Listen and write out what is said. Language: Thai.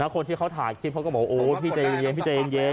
คนที่เขาถ่ายคลิปเขาก็บอกพี่เจ๋งเย็น